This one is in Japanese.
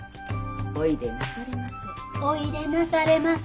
「おいでなされませ」。